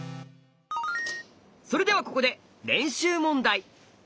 それではここで練習問題。